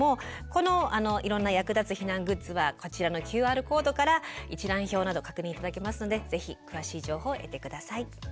このいろんな役立つ避難グッズはこちらのＱＲコードから一覧表など確認頂けますのでぜひ詳しい情報を得て下さい。